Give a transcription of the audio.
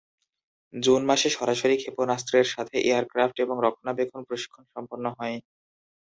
June মাসে সরাসরি ক্ষেপণাস্ত্রের সাথে এয়ারক্রাফট এবং রক্ষণাবেক্ষণ প্রশিক্ষণ সম্পন্ন হয়।